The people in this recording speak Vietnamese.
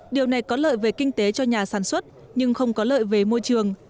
điều này có lợi về kinh tế cho nhà sản xuất nhưng không có lợi về môi trường